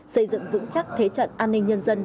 xây dựng vững chắc thế trận an ninh nhân dân